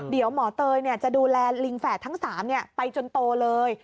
เดี๋ยวหมอเตยจะดูแลลิงแฝดทั้ง๓ไปจนโตเลย